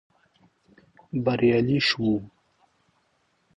بريالي شوو.